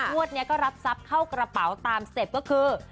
งวดนี้ก็รับทรัพย์เข้ากระเป๋าตามสเต็ปก็คือ